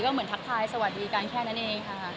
เหมือนทักทายสวัสดีกันแค่นั้นเองค่ะ